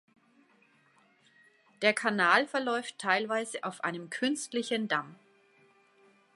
Der Kanal verläuft teilweise auf einem künstlichen Damm.